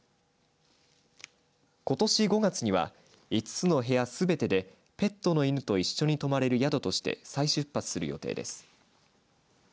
ことし５月には５つの部屋すべてでペットの犬と一緒に泊まれる宿として再出発する予定です。